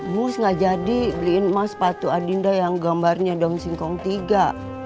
mus nggak jadi beliin emas patu adinda yang gambarnya daun singkong tiga